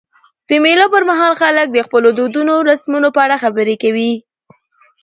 د مېلو پر مهال خلک د خپلو دودونو او رسمونو په اړه خبري کوي.